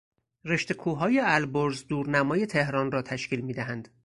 رشته کوههای البرز دورنمای تهران را تشکیل میدهد.